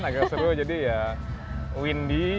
agak seru jadi ya windy